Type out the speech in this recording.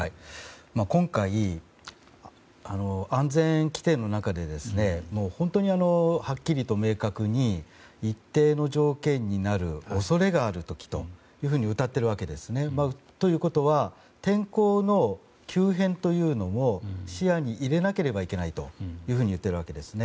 今回、安全規程の中で本当にはっきりと明確に一定の条件になる恐れがあるときというふうにうたっているわけですね。ということは天候の急変というのも視野に入れなければいけないと言っているわけです。